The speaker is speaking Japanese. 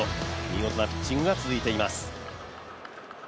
見事なピッチングが続いています。